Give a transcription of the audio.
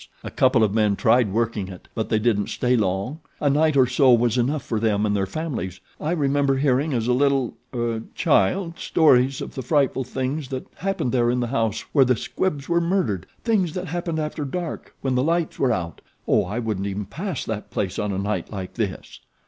A couple of men tried working it; but they didn't stay long. A night or so was enough for them and their families. I remember hearing as a little er child stories of the frightful things that happened there in the house where the Squibbs were murdered things that happened after dark when the lights were out. Oh, I wouldn't even pass that place on a night like this."